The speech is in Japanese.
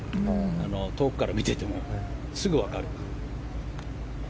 遠くから見ていてもすぐ分かる。